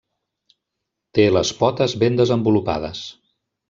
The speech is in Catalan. Té les potes ben desenvolupades.